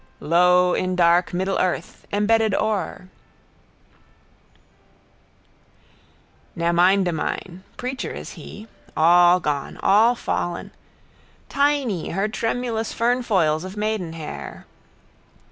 Low in dark middle earth. Embedded ore. Naminedamine. Preacher is he: All gone. All fallen. Tiny, her tremulous fernfoils of maidenhair.